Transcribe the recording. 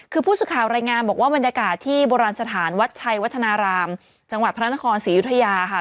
คือผู้สื่อข่าวรายงานบอกว่าบรรยากาศที่โบราณสถานวัดชัยวัฒนารามจังหวัดพระนครศรีอยุธยาค่ะ